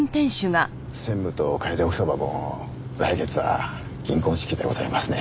専務と楓奥様も来月は銀婚式でございますね。